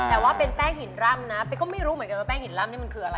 แต่ว่าเป็นแป้งหินร่ำนะเป๊กก็ไม่รู้เหมือนกันว่าแป้งหินร่ำนี่มันคืออะไร